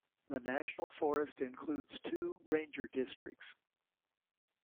The national forest includes two ranger districts.